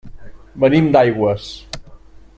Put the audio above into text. Venim d'Aigües.